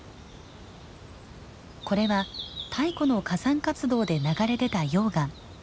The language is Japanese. これは太古の火山活動で流れ出た溶岩。